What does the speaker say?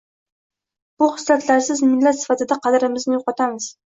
Bu xislatlarsiz millat sifatida qadrimizni yo‘qotamiz.